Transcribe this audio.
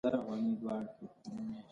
یا معترضه جمله راځي چې ډېره مهمه نه وي.